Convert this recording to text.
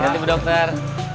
makasih bu dokter